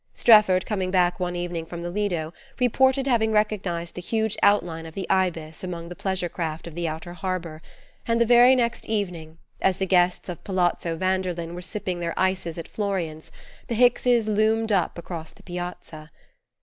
Strefford, coming back one evening from the Lido, reported having recognized the huge outline of the Ibis among the pleasure craft of the outer harbour; and the very next evening, as the guests of Palazzo Vanderlyn were sipping their ices at Florian's, the Hickses loomed up across the Piazza.